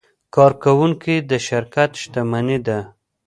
کارکوونکي د شرکت شتمني ده.